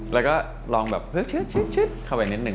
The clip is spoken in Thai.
แล้วก็ลองแบบเฮือกเข้าไปนิดนึ